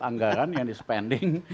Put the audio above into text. anggaran yang di spending